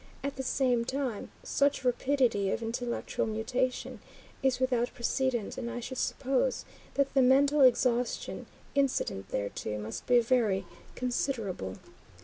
At the same time such rapidity of intellectual mutation is without precedent, and I should suppose that the mental exhaustion incident thereto must be very considerable.